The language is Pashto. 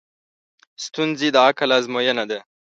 ستونزې د عقل ازموینه ده.